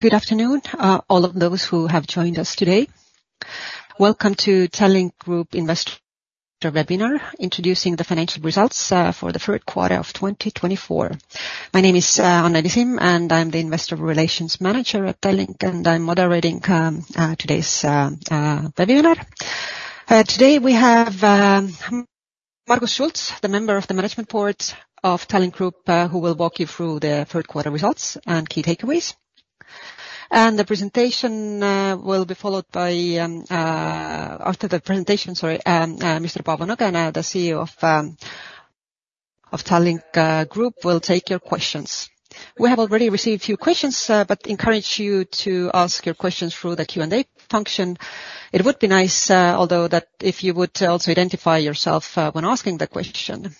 Good afternoon, all of those who have joined us today. Welcome to Tallink Grupp Investor Webinar, introducing the financial results for the third quarter of 2024. My name is Anneli Simm, and I'm the Investor Relations Manager at Tallink, and I'm moderating today's webinar. Today we have Margus Schults, the member of the Management Board of Tallink Grupp, who will walk you through the third quarter results and key takeaways. And the presentation will be followed by, after the presentation, sorry, Mr. Paavo Nõgene, the CEO of Tallink Grupp, will take your questions. We have already received a few questions, but encourage you to ask your questions through the Q&A function. It would be nice, although, that if you would also identify yourself when asking the question.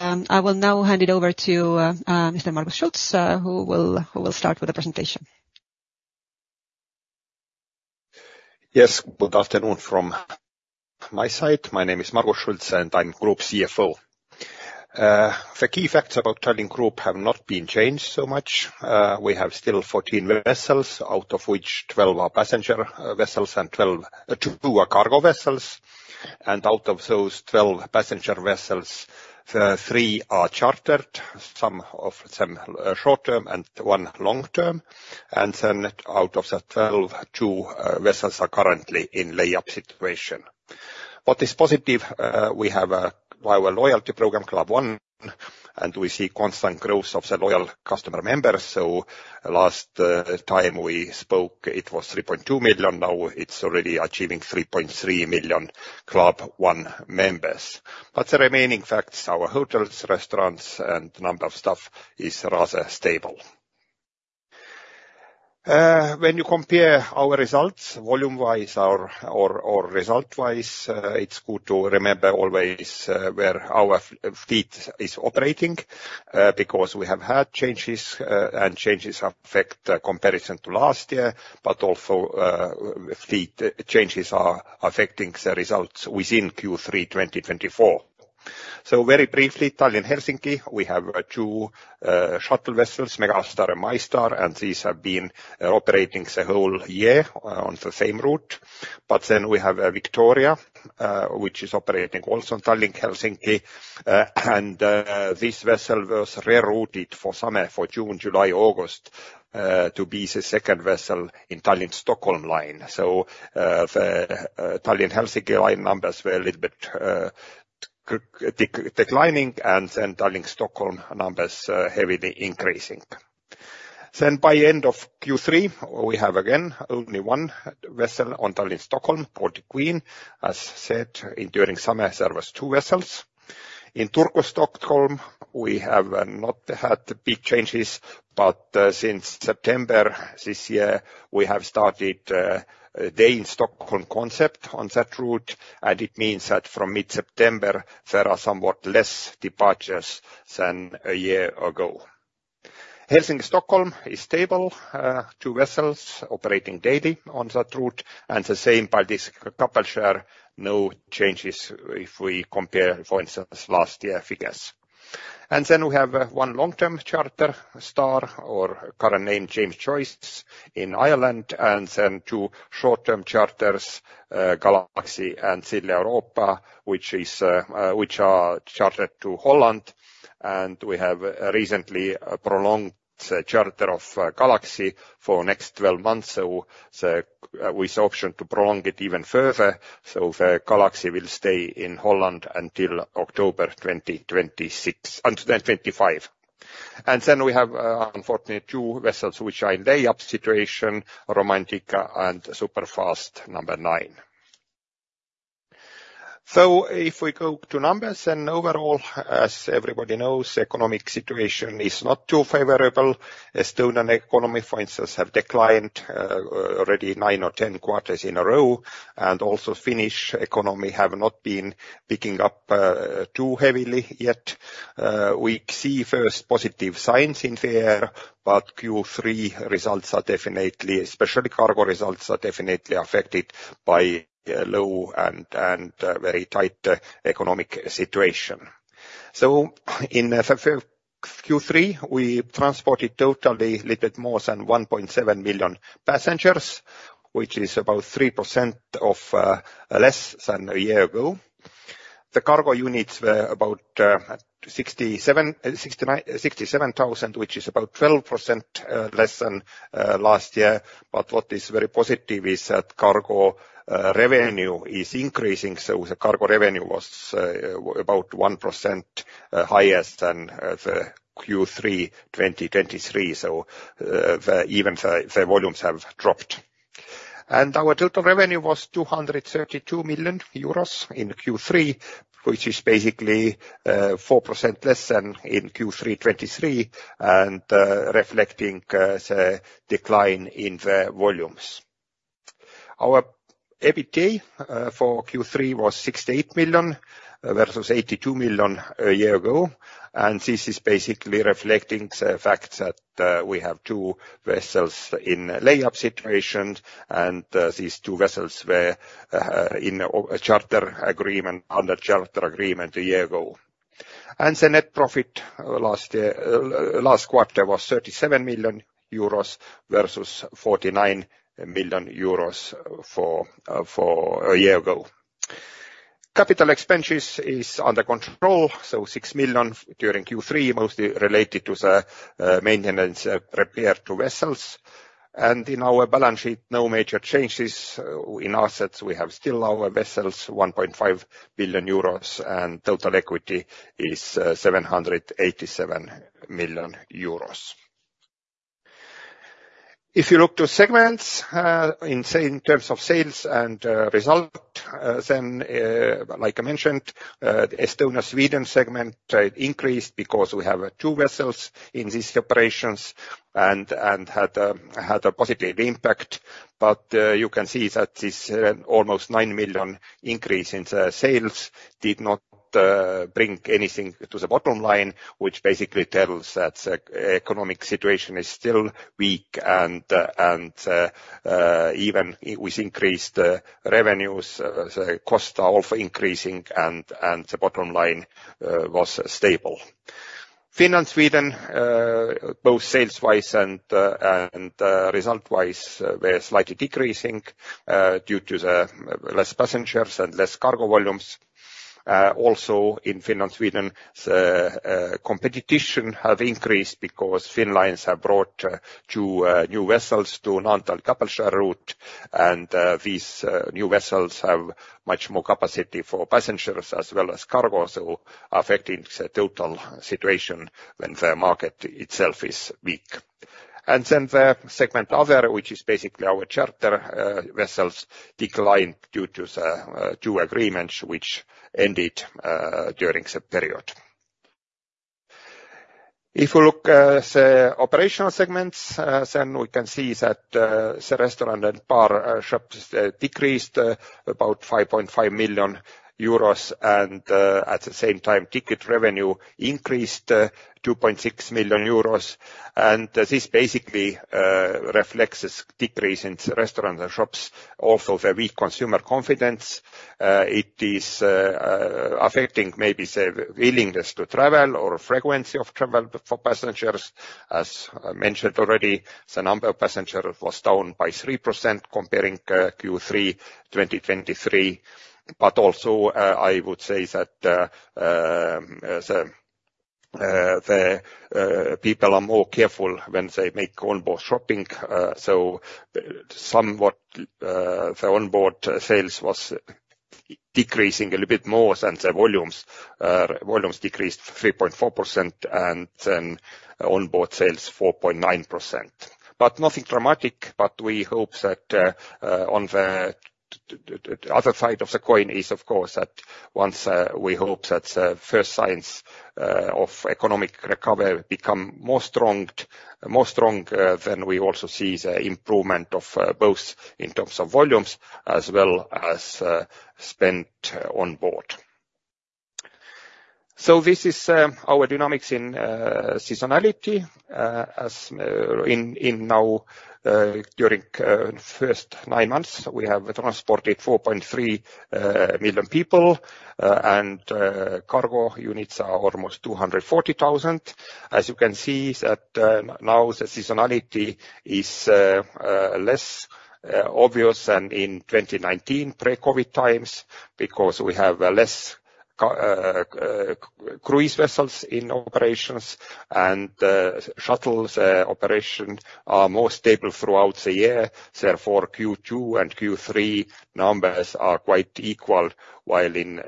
I will now hand it over to Mr. Margus Schults, who will start with the presentation. Yes, good afternoon from my side. My name is Margus Schults, and I'm Grupp CFO. The key facts about Tallink Grupp have not been changed so much. We have still 14 vessels, out of which 12 are passenger vessels, and two are cargo vessels. And out of those 12 passenger vessels, three are chartered, some of them short-term and one long-term. And then out of the 12, two vessels are currently in lay-up situation. What is positive, we have via our loyalty program, Club One, and we see constant growth of the loyal customer members. So last time we spoke, it was 3.2 million. Now, it's already achieving 3.3 million Club One members. But the remaining facts, our hotels, restaurants, and number of staff is rather stable. When you compare our results volume-wise or result-wise, it's good to remember always where our fleet is operating, because we have had changes, and changes affect the comparison to last year, but also, fleet changes are affecting the results within Q3 2024. So very briefly, Tallinn-Helsinki, we have two shuttle vessels, Megastar and MyStar, and these have been operating the whole year on the same route. But then we have a Victoria, which is operating also on Tallinn-Helsinki. And this vessel was rerouted for summer, for June, July, August, to be the second vessel in Tallinn-Stockholm line. So, the Tallinn-Helsinki line numbers were a little bit declining, and then Tallinn-Stockholm numbers heavily increasing. Then by end of Q3, we have again only one vessel on Tallinn-Stockholm, Baltic Queen. As said, during summer, there was two vessels. In Turku, Stockholm, we have not had big changes, but since September this year, we have started a Day in Stockholm concept on that route, and it means that from mid-September, there are somewhat less departures than a year ago. Helsinki-Stockholm is stable, two vessels operating daily on that route, and the same by this couple share, no changes if we compare, for instance, last year figures. And then we have one long-term charter, Star, or current name, James Joyce, in Ireland, and then two short-term charters, Galaxy and Silja Europa, which are chartered to Holland. We have recently prolonged the charter of Galaxy for next twelve months, so with option to prolong it even further. The Galaxy will stay in Holland until October 2026, until 2025. Then we have, unfortunately, two vessels which are in lay-up situation, Romantika and Superfast IX. If we go to numbers, overall, as everybody knows, economic situation is not too favorable. Estonian economy, for instance, have declined already nine or ten quarters in a row, and also Finnish economy have not been picking up too heavily yet. We see first positive signs in there, but Q3 results are definitely, especially cargo results, are definitely affected by low and very tight economic situation. In Q3, we transported totally a little more than 1.7 million passengers, which is about 3% less than a year ago. The cargo units were about 67,000, which is about 12% less than last year. But what is very positive is that cargo revenue is increasing, so the cargo revenue was about 1% higher than the Q3 2023. Even the volumes have dropped. Our total revenue was 232 million euros in Q3, which is basically 4% less than in Q3 2023, reflecting the decline in the volumes. Our EBITDA for Q3 was 68 million versus 82 million a year ago, and this is basically reflecting the fact that we have two vessels in lay-up situation, and these two vessels were in a charter agreement, under charter agreement a year ago. The net profit last quarter was EUR 37 million versus 49 million euros for a year ago. Capital expenditures is under control, so 6 million during Q3, mostly related to the maintenance repair to vessels. In our balance sheet, no major changes. In assets, we have still our vessels, 1.5 billion euros, and total equity is 787 million euros. If you look to segments, in terms of sales and result, then, like I mentioned, Estonia-Sweden segment increased because we have two vessels in these operations and had a positive impact. But you can see that this almost 9 million increase in the sales did not bring anything to the bottom line, which basically tells that economic situation is still weak, and even with increased revenues, the costs are also increasing and the bottom line was stable. Finland-Sweden, both sales wise and result wise, were slightly decreasing due to the less passengers and less cargo volumes. Also in Finland-Sweden, competition have increased because Finnlines have brought two new vessels to Naantali–Kapellskär route, and these new vessels have much more capacity for passengers as well as cargo, so affecting the total situation when the market itself is weak. And then the segment other, which is basically our charter vessels, declined due to the two agreements which ended during the period. If you look at the operational segments, then we can see that the restaurant and bar shops decreased about 5.5 million euros, and at the same time, ticket revenue increased 2.6 million euros. And this basically reflects this decrease in the restaurant and shops, also the weak consumer confidence. It is affecting maybe the willingness to travel or frequency of travel for passengers. As I mentioned already, the number of passengers was down by 3% comparing Q3 2023. But also, I would say that the people are more careful when they make onboard shopping. So somewhat, the onboard sales was decreasing a little bit more than the volumes. Volumes decreased 3.4%, and then onboard sales, 4.9%. But nothing dramatic, but we hope that on the other side of the coin is of course, that once we hope that the first signs of economic recovery become more strong, more stronger, then we also see the improvement of both in terms of volumes as well as spent on board. So this is our dynamics in seasonality. As in now during first nine months, we have transported 4.3 million people and cargo units are almost 240,000. As you can see, that now the seasonality is less obvious than in 2019, pre-COVID times, because we have less cruise vessels in operations, and the shuttles operation are more stable throughout the year. Therefore, Q2 and Q3 numbers are quite equal, while in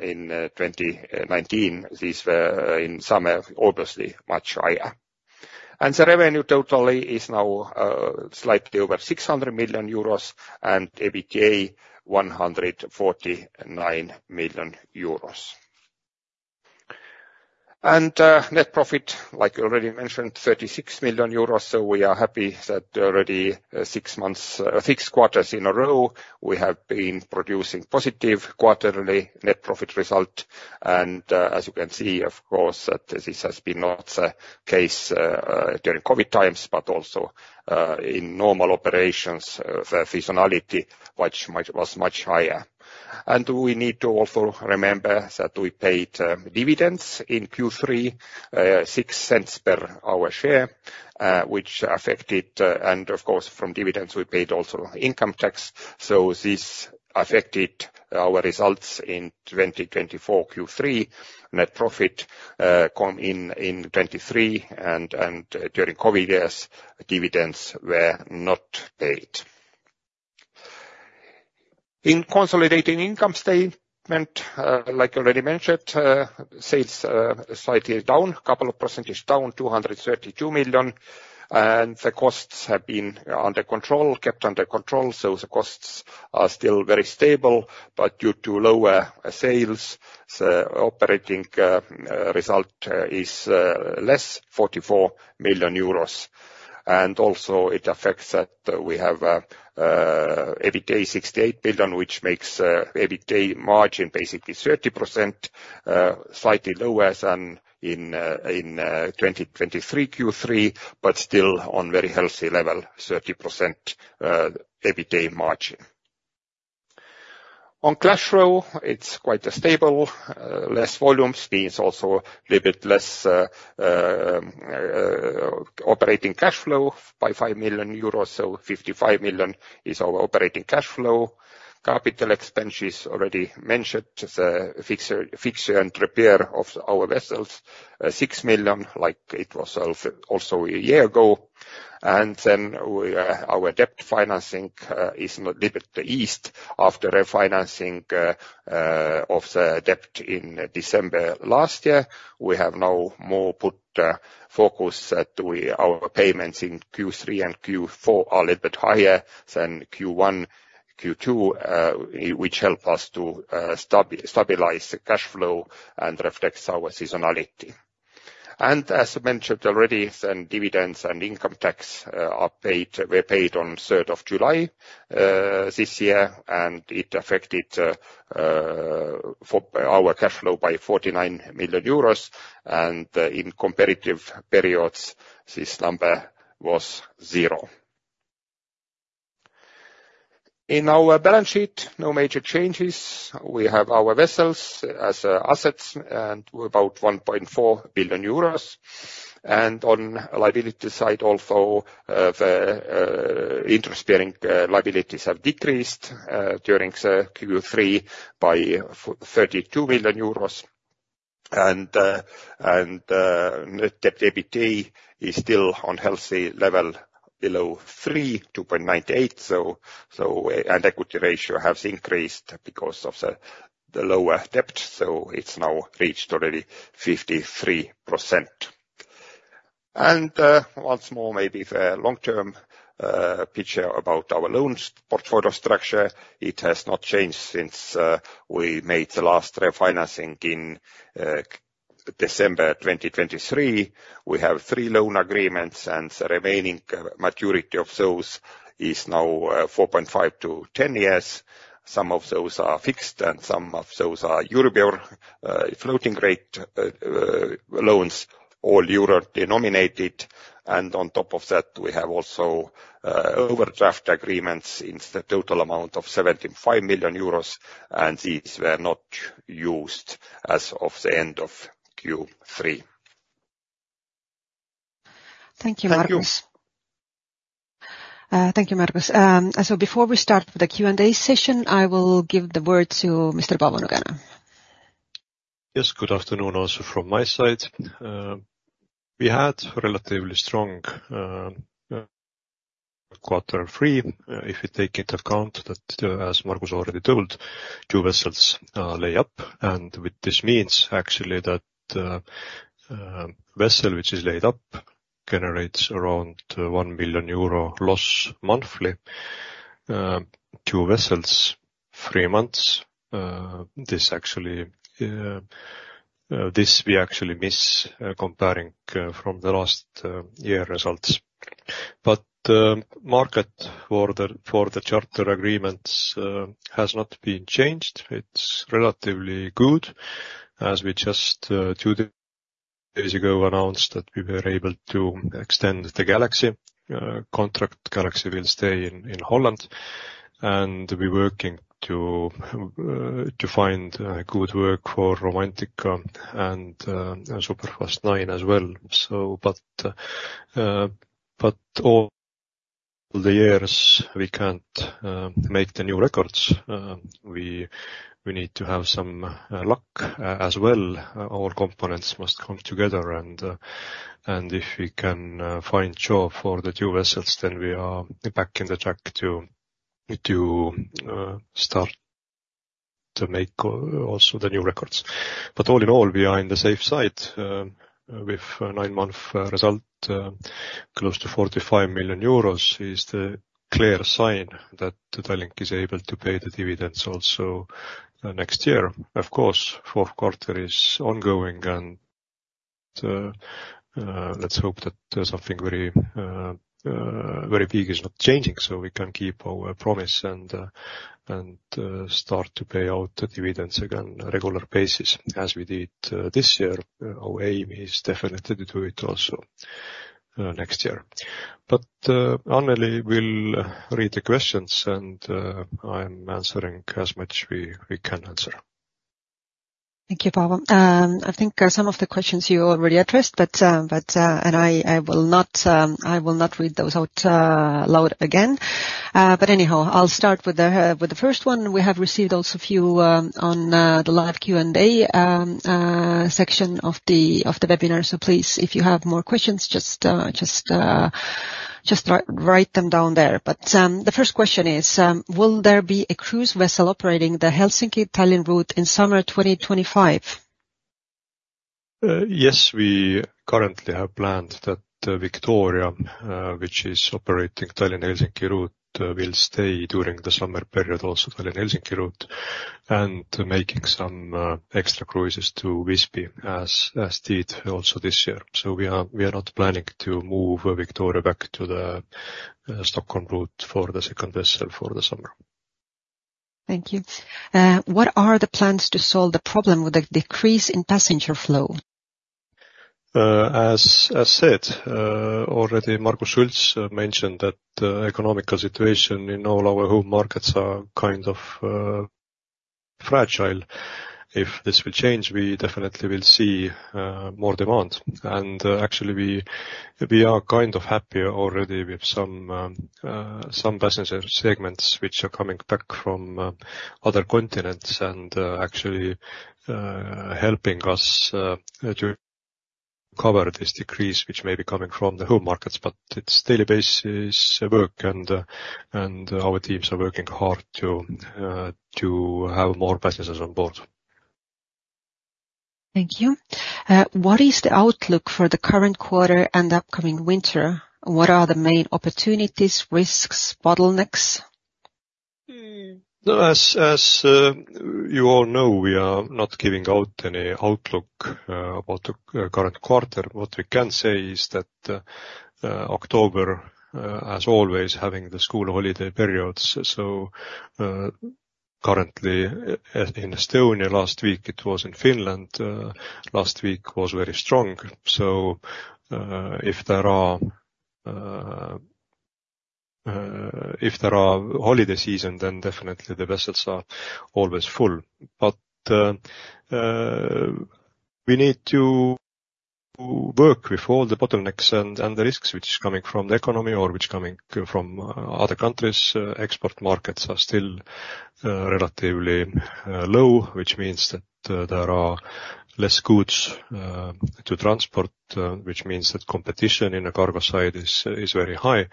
2019 these were in summer, obviously much higher. And the revenue totally is now slightly over 600 million euros and EBITDA 149 million euros. And net profit, like we already mentioned, 36 million euros. So we are happy that already six quarters in a row we have been producing positive quarterly net profit result. And as you can see, of course, that this has been not the case during COVID times, but also in normal operations the seasonality was much higher. And we need to also remember that we paid dividends in Q3, 0.06 per share, which affected and of course from dividends we paid also income tax. So this affected our results in 2024 Q3 net profit came in in 2023 and during COVID years dividends were not paid. In the consolidated income statement, like already mentioned, sales slightly down, couple of percentage down, 232 million, and the costs have been under control, kept under control, so the costs are still very stable. Due to lower sales, the operating result is less 44 million euros. And also it affects that we have EBITDA 68 million, which makes EBITDA margin basically 30%, slightly lower than in 2023 Q3, but still on very healthy level, 30% EBITDA margin. On cash flow, it is quite stable. Less volume means also a little bit less operating cash flow by 5 million euros. So 55 million is our operating cash flow. Capital expenditures already mentioned, the fixes and repair of our vessels, 6 million, like it was also a year ago. Then we, our debt financing is a little bit eased after refinancing of the debt in December last year. We have now put more focus that our payments in Q3 and Q4 are a little bit higher than Q1, Q2, which help us to stabilize the cash flow and reflects our seasonality. As mentioned already, then dividends and income tax are paid, were paid on third of July this year, and it affected our cash flow by 49 million euros. And in comparative periods, this number was zero. In our balance sheet, no major changes. We have our vessels as assets, and about 1.4 billion euros. And on the liability side, also, the interest-bearing liabilities have decreased during the Q3 by 32 million euros. And debt EBITDA is still on healthy level, below 3, 2.98. So, and equity ratio has increased because of the lower debt, so it's now reached already 53%. And, once more, maybe the long-term picture about our loans portfolio structure, it has not changed since we made the last refinancing in December 2023. We have three loan agreements, and the remaining maturity of those is now 4.5 years-10 years. Some of those are fixed, and some of those are euro floating rate loans, all euro-denominated. And on top of that, we have also overdraft agreements in the total amount of 75 million euros, and these were not used as of the end of Q3. Thank you, Margus. Thank you. Thank you, Margus. So before we start with the Q&A session, I will give the word to Mr. Paavo Nõgene. Yes, good afternoon also from my side. We had relatively strong quarter three, if you take into account that, as Margus already told, two vessels lay up. What this means, actually, that vessel, which is laid up, generates around 1 million euro loss monthly. Two vessels, three months, this actually, this we actually miss comparing from the last year results. Market for the charter agreements has not been changed. It's relatively good, as we just two days ago announced that we were able to extend the Galaxy contract. Galaxy will stay in Holland, and we're working to find good work for Romantika and Superfast IX as well. So but, but all the years, we can't make the new records. We need to have some luck as well. All components must come together, and if we can find shore for the two vessels, then we are back in the track to start to make also the new records. But all in all, we are in the safe side with a nine-month result close to 45 million euros is the clear sign that Tallink is able to pay the dividends also next year. Of course, fourth quarter is ongoing, and let's hope that something very very big is not changing, so we can keep our promise and start to pay out the dividends again on a regular basis, as we did this year. Our aim is definitely to do it also next year. But, Anneli will read the questions, and I'm answering as much as we can answer. Thank you, Paavo. I think some of the questions you already addressed. And I will not read those out loud again. But anyhow, I'll start with the first one. We have received also a few on the live Q&A section of the webinar. So please, if you have more questions, just write them down there. But the first question is: Will there be a cruise vessel operating the Helsinki-Tallinn route in summer 2025? Yes, we currently have planned that Victoria, which is operating Tallinn-Helsinki route, will stay during the summer period, also Tallinn-Helsinki route, and making some extra cruises to Visby, as did also this year. So we are not planning to move Victoria back to the Stockholm route for the second vessel for the summer. Thank you. What are the plans to solve the problem with the decrease in passenger flow? As said, already Margus Schults mentioned that economic situation in all our home markets are kind of fragile. If this will change, we definitely will see more demand and actually we are kind of happy already with some passenger segments which are coming back from other continents and actually helping us to cover this decrease, which may be coming from the home markets, but it's daily basis work, and our teams are working hard to have more passengers on board. Thank you. What is the outlook for the current quarter and upcoming winter? What are the main opportunities, risks, bottlenecks? As you all know, we are not giving out any outlook about the current quarter. What we can say is that October, as always, having the school holiday periods, so currently in Estonia, last week it was in Finland, last week was very strong. So if there are holiday season, then definitely the vessels are always full. But we need to work with all the bottlenecks and the risks which is coming from the economy or which coming from other countries. Export markets are still relatively low, which means that there are less goods to transport, which means that competition in the cargo side is very high.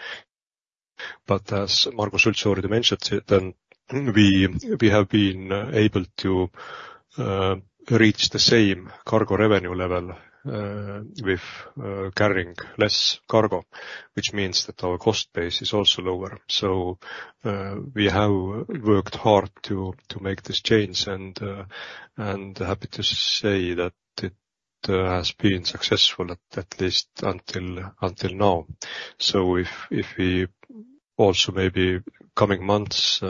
But as Margus Schults already mentioned it, and we have been able to reach the same cargo revenue level with carrying less cargo, which means that our cost base is also lower. So we have worked hard to make this change, and happy to say that it has been successful, at least until now. So if we also maybe coming months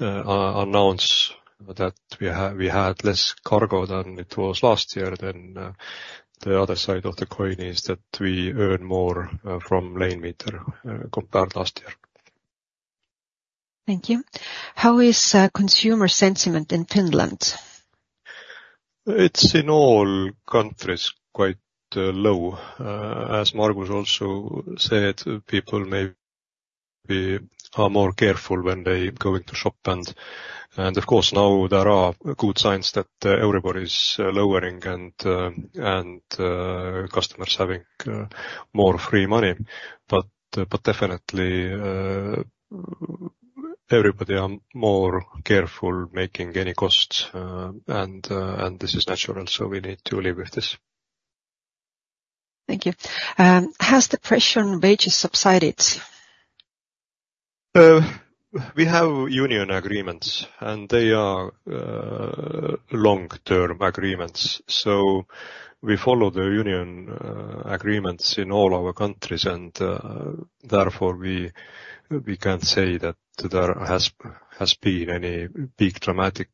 announce that we had less cargo than it was last year, then the other side of the coin is that we earn more from lane meter compared to last year. Thank you. How is consumer sentiment in Finland? It's in all countries, quite low. As Margus also said, people maybe are more careful when they going to shop. And of course, now there are good signs that everybody's lowering and customers having more free money. But definitely, everybody are more careful making any costs. And this is natural, so we need to live with this. Thank you. Has the pressure on wages subsided? We have union agreements, and they are long-term agreements. So we follow the union agreements in all our countries, and therefore, we can't say that there has been any big dramatic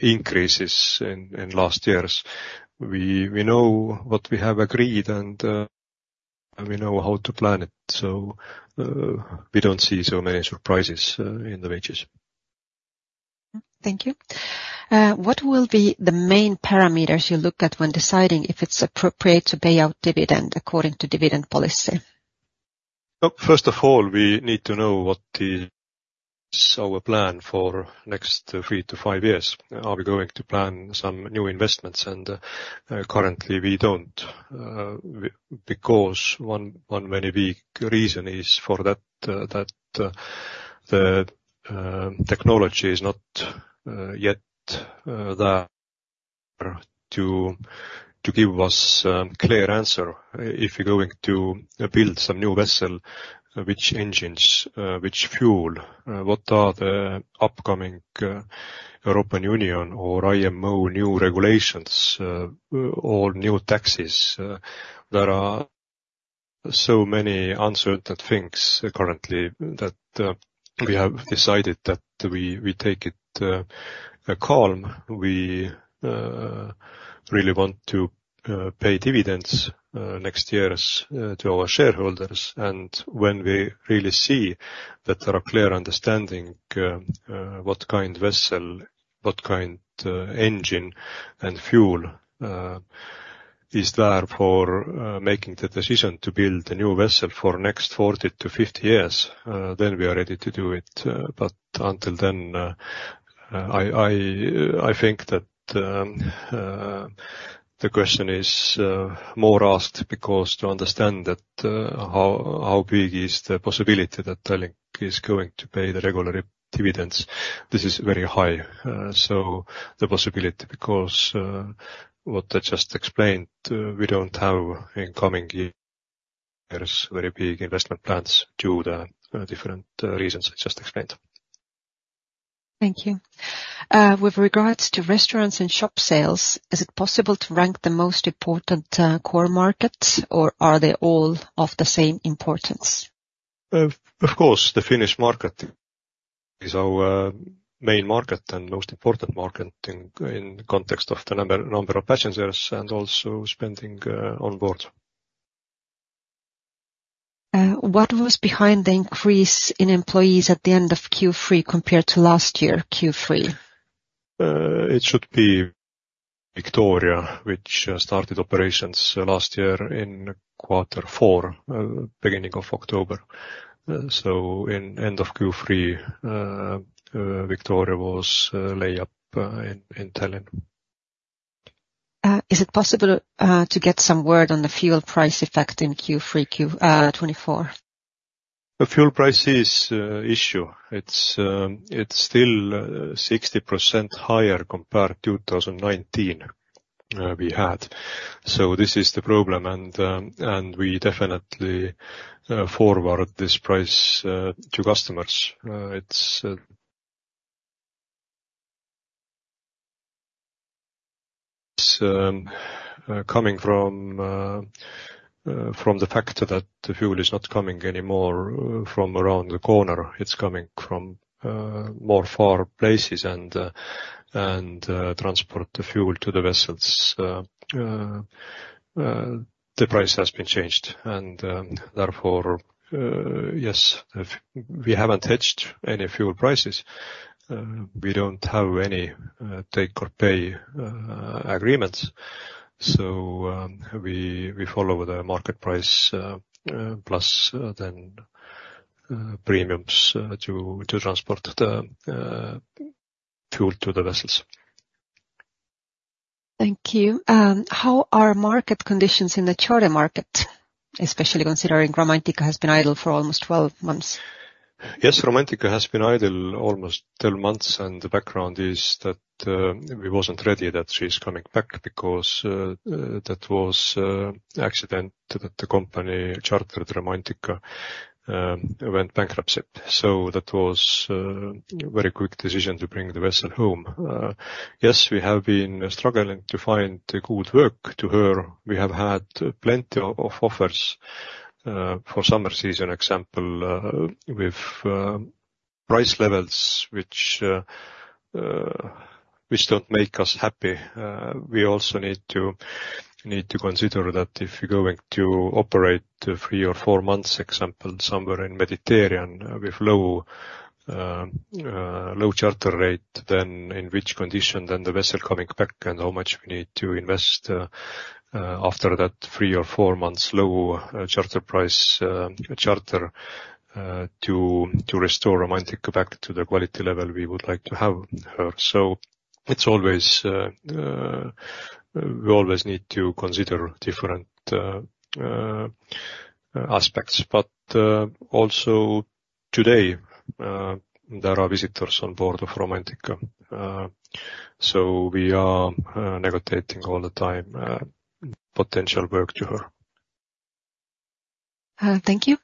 increases in last years. We know what we have agreed, and we know how to plan it. So we don't see so many surprises in the wages. Thank you. What will be the main parameters you look at when deciding if it's appropriate to pay out dividend according to dividend policy? First of all, we need to know what is our plan for next three to five years. Are we going to plan some new investments? Currently, we don't, because one very big reason is that the technology is not yet there to give us clear answer. If you're going to build some new vessel, which engines, which fuel, what are the upcoming European Union or IMO new regulations, or new taxes, there are so many uncertain things currently that we have decided that we take it calm. We really want to pay dividends next years to our shareholders. And when we really see that there are clear understanding, what kind vessel, what kind, engine and fuel, is there for making the decision to build a new vessel for next 40 years-50 years, then we are ready to do it. But until then, I think that, the question is more asked because to understand that, how big is the possibility that Tallink is going to pay the regular dividends, this is very high. So the possibility, because, what I just explained, we don't have in coming years, very big investment plans due to the different reasons I just explained. Thank you. With regards to restaurants and shop sales, is it possible to rank the most important core markets, or are they all of the same importance? Of course, the Finnish market is our main market and most important market in the context of the number of passengers and also spending on board. What was behind the increase in employees at the end of Q3 compared to last year Q3? It should be Victoria, which started operations last year in quarter four, beginning of October. So in end of Q3, Victoria was lay-up in Tallinn. Is it possible to get some word on the fuel price effect in Q3 2024? The fuel price is issue. It's still 60% higher compared to 2019 we had. So this is the problem, and we definitely forward this price to customers. It's coming from the fact that the fuel is not coming anymore from around the corner. It's coming from more far places, and transport the fuel to the vessels, the price has been changed, and therefore yes, if we haven't hedged any fuel prices, we don't have any take or pay agreements. So we follow the market price plus then premiums to transport the fuel to the vessels. Thank you. How are market conditions in the charter market, especially considering Romantika has been idle for almost twelve months? Yes, Romantika has been idle almost ten months, and the background is that we wasn't ready that she's coming back because that was accident that the company chartered Romantika went bankruptcy. So that was a very quick decision to bring the vessel home. Yes, we have been struggling to find a good work to her. We have had plenty of offers for summer season, example with price levels which don't make us happy. We also need to consider that if you're going to operate three or four months, example, somewhere in Mediterranean with low charter rate, then in which condition then the vessel coming back, and how much we need to invest after that three or four months low charter price, charter, to restore Romantika back to the quality level we would like to have her. So it's always, we always need to consider different aspects, but also today there are visitors on board of Romantika. So we are negotiating all the time potential work to her. Thank you.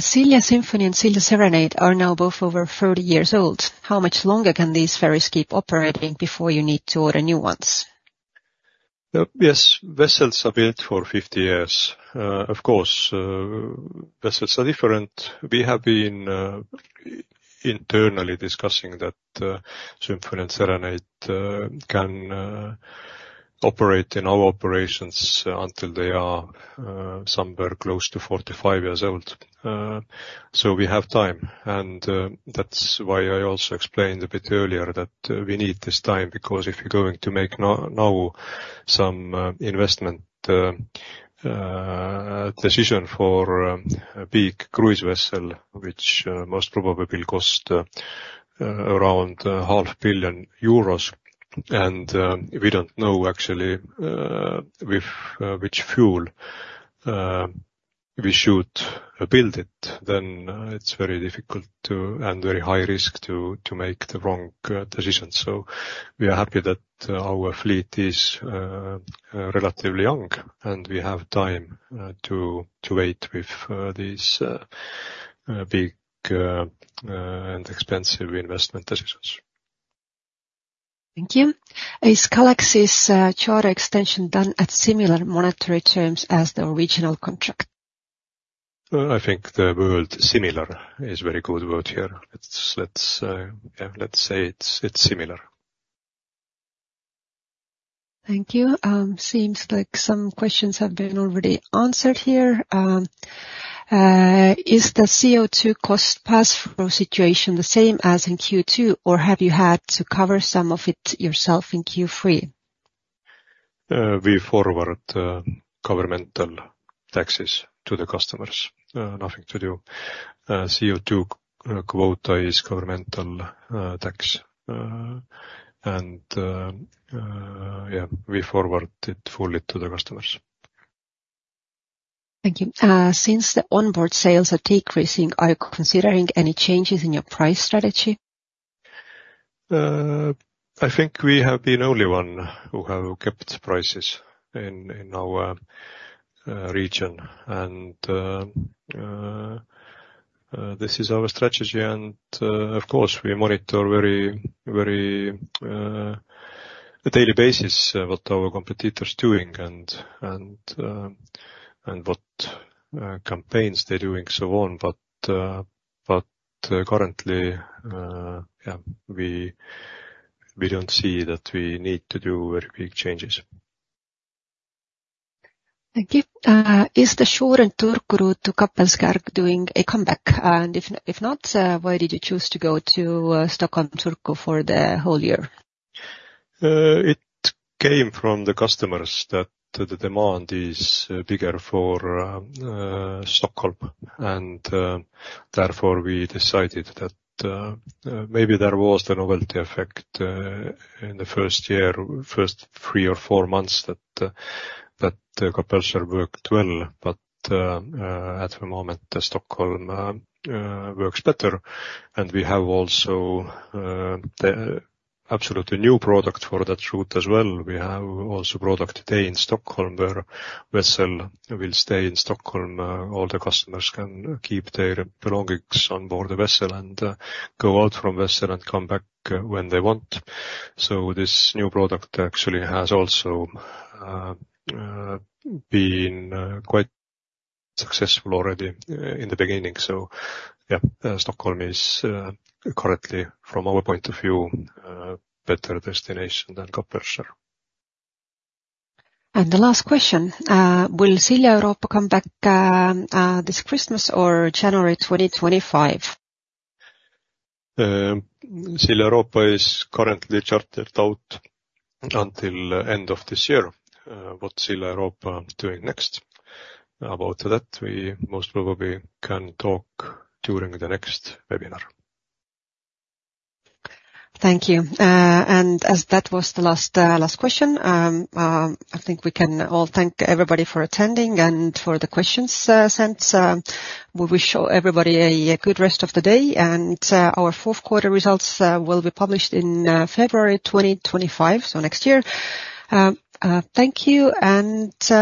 Silja Symphony and Silja Serenade are now both over 30 years old. How much longer can these ferries keep operating before you need to order new ones? Yes, vessels are built for fifty years. Of course, vessels are different. We have been internally discussing that Symphony and Serenade can operate in our operations until they are somewhere close to forty-five years old. So we have time, and that's why I also explained a bit earlier that we need this time, because if you're going to make now some investment decision for a big cruise vessel, which most probably will cost around 500 million euros and we don't know actually with which fuel we should build it, then it's very difficult, and very high risk to make the wrong decision. So we are happy that our fleet is relatively young, and we have time to wait with these big and expensive investment decisions. Thank you. Is Galaxy charter extension done at similar monetary terms as the original contract? I think the word similar is very good word here. Let's say it's similar. Thank you. Seems like some questions have been already answered here. Is the CO2 cost pass-through situation the same as in Q2, or have you had to cover some of it yourself in Q3? We forward governmental taxes to the customers. Nothing to do. CO2 quota is governmental tax, and yeah, we forward it fully to the customers. Thank you. Since the onboard sales are decreasing, are you considering any changes in your price strategy? I think we have been only one who have kept prices in our region, and this is our strategy, and of course, we monitor very, very on a daily basis what our competitors doing and what campaigns they're doing, so on. But currently, yeah, we don't see that we need to do very big changes. Thank you. Is the ship on Turku to Kapellskär doing a comeback? And if not, why did you choose to go to Stockholm-Turku for the whole year? It came from the customers that the demand is bigger for Stockholm, and therefore, we decided that maybe there was the novelty effect in the first year, first three or four months, that Kapellskär worked well. But at the moment, the Stockholm works better, and we have also the absolutely new product for that route as well. We have also product today in Stockholm, where vessel will stay in Stockholm. All the customers can keep their belongings on board the vessel, and go out from vessel and come back when they want. So this new product actually has also been quite successful already in the beginning. So yeah, Stockholm is currently, from our point of view, a better destination than Kapellskär. And the last question, will Silja Europa come back this Christmas or January 2025? Silja Europa is currently chartered out until end of this year. What Silja Europa doing next? About that, we most probably can talk during the next webinar. Thank you, and as that was the last question, I think we can all thank everybody for attending and for the questions sent. We wish everybody a good rest of the day, and our fourth quarter results will be published in February 2025, so next year. Thank you.